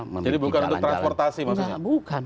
jadi bukan untuk transportasi maksudnya